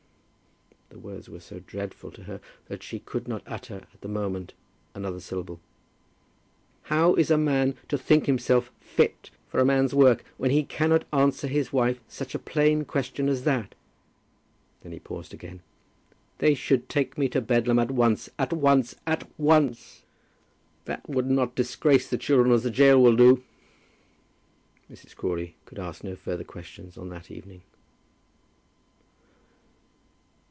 The words were so dreadful to her that she could not utter at the moment another syllable. "How is a man to think himself fit for a man's work, when he cannot answer his wife such a plain question as that?" Then he paused again. "They should take me to Bedlam at once, at once, at once. That would not disgrace the children as the gaol will do." Mrs. Crawley could ask no further questions on that evening.